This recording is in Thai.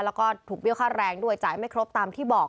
แล้วก็ถูกเบี้ยค่าแรงด้วยจ่ายไม่ครบตามที่บอก